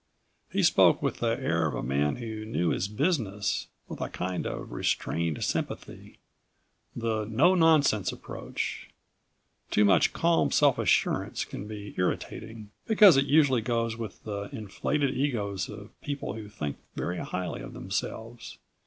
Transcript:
He spoke with the air of a man who knew his business, with a kind of restrained sympathy the "no nonsense" approach. Too much calm self assurance can be irritating, because it usually goes with the inflated egos of people who think very highly of themselves.